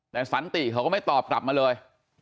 แต่สันติเขาก็ไม่ตอบกลับมาเลย